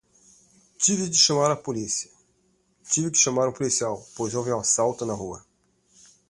Tive de chamar um polícia pois houve um assalto na rua.